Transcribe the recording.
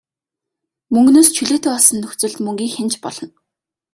Мөнгөнөөс чөлөөтэй болсон нөхцөлд мөнгийг хянаж болно.